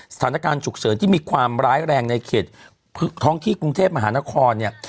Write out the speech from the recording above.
สถานการณ์ฉุกเฉินที่มีความร้ายแรงในเขตท้องที่กรุงเทพมหานครเนี่ย